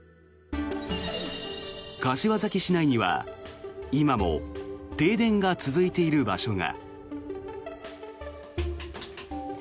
柏崎市内には今も停電が続いている場所が。